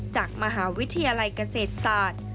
จากมหาวิทยาลัยเกษตรศาสตร์